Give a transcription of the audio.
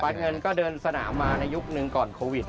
เงินก็เดินสนามมาในยุคหนึ่งก่อนโควิด